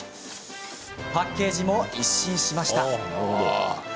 パッケージも一新しました。